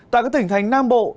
tại các tỉnh thành nam bộ